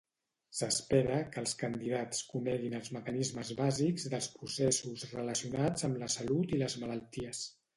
S'espera que els candidats coneguin els mecanismes bàsics dels processos relacionats amb la salut i les malalties.